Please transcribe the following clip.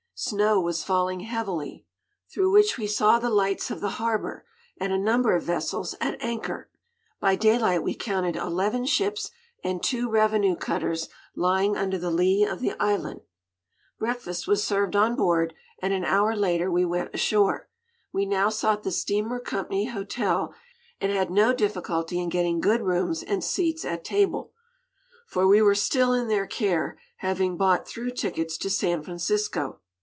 Snow was falling heavily through which we saw the lights of the harbor, and a number of vessels at anchor. By daylight we counted eleven ships and two revenue cutters lying under the lee of the island. Breakfast was served on board, and an hour later we went ashore. We now sought the steamer company's hotel, and had no difficulty in getting good rooms and seats at table; for we were still in their care, having bought through tickets to San Francisco.